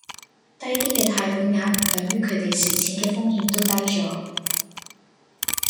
低啲嘅貸款額等於佢地蝕錢嘅風險都低左